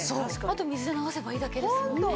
あと水で流せばいいだけですもんね。